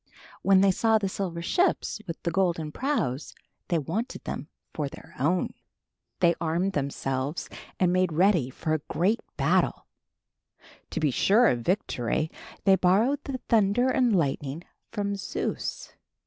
When they saw the silver ships with the golden prows, they wanted them for their own. They armed themselves and made ready for a great battle. To be sure of victory, they borrowed the thunder and lightning from Zeus.